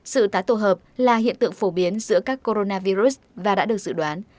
sự tái tổ hợp là hiện tượng phổ biến giữa các coronavirus và đã được dự đoán